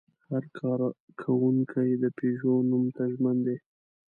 هر کارکوونکی د پيژو نوم ته ژمن دی.